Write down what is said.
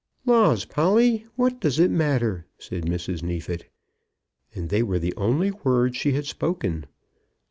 "Laws, Polly, what does it matter?" said Mrs. Neefit. And they were the only words she had spoken.